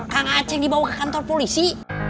kang aceh dibawa ke kantor polisi